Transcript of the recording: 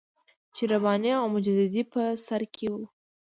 چې رباني او مجددي یې په سر کې وو.